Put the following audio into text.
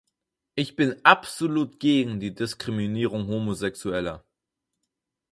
Ich bin absolut gegen die Diskriminierung Homosexueller.